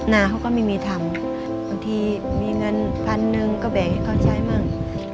นาเขาก็ไม่มีทำบางทีมีเงินพันหนึ่งก็แบ่งให้เขาใช้มั่ง